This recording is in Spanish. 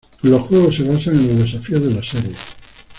Los juegos se basan en los desafíos de la serie.